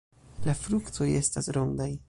La fruktoj estas rondaj.